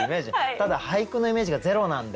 ただ俳句のイメージがゼロなんで。